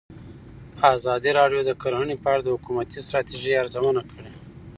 ازادي راډیو د کرهنه په اړه د حکومتي ستراتیژۍ ارزونه کړې.